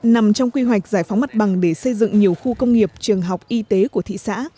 nằm trong quy hoạch giải phóng mặt bằng để xây dựng nhiều khu công nghiệp trường học y tế của thị xã